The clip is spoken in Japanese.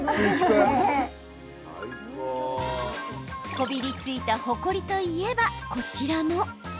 こびりついた、ほこりといえばこちらも。